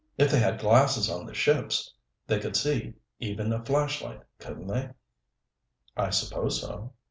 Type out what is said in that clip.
If they had glasses on the ships, they could see even a flashlight, couldn't they?" "I suppose so."